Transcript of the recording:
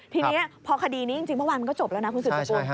ทีนี้เพราะคดีนี้จริงเมื่อวานก็จบแล้วนะคุณศุษยศูนย์